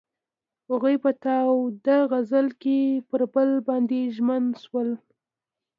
هغوی په تاوده غزل کې پر بل باندې ژمن شول.